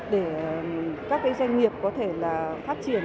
để các doanh nghiệp có thể phát triển